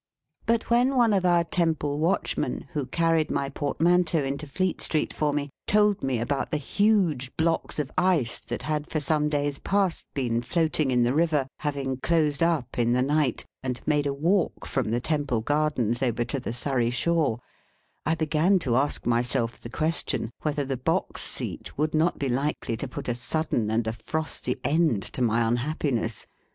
But when one of our Temple watchmen, who carried my portmanteau into Fleet Street for me, told me about the huge blocks of ice that had for some days past been floating in the river, having closed up in the night, and made a walk from the Temple Gardens over to the Surrey shore, I began to ask myself the question, whether the box seat would not be likely to put a sudden and a frosty end to my unhappiness.